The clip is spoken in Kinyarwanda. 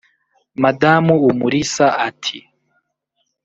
Madamu Umulisa ati